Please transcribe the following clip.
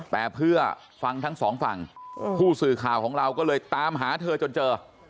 แต่เพื่อฟังทั้งสองฝั่งผู้สื่อข่าวของเราก็เลยตามหาเธอจนเจอ